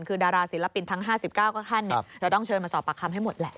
คือดาราศิลปินทั้ง๕๙ก็ท่านจะต้องเชิญมาสอบปากคำให้หมดแหละ